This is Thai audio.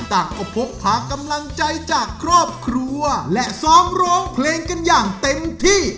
ต่างก็พกพากำลังใจจากครอบครัวและซ้อมร้องเพลงกันอย่างเต็มที่